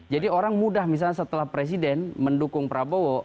jadi orang mudah misalnya setelah presiden mendukung prabowo